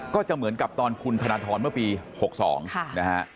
ก็จะเหมือนกับตอนคุณธนทรเมื่อปี๖๒นะฮะ